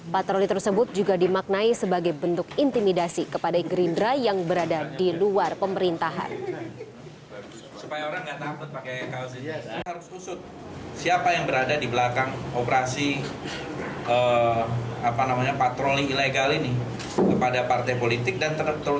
patroli tersebut juga dimaknai sebagai bentuk intimidasi kepada gerindra yang berada di luar pemerintahan